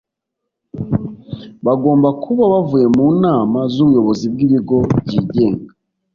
bagomba kuba bavuye mu nama z ubuyobozi bw ibigo byigenga